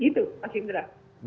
gitu mas indra